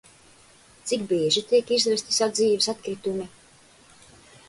Cik bieži tiek izvesti sadzīves atkritumi?